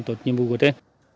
tôi nhớ là